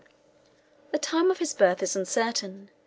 The time of his birth is uncertain.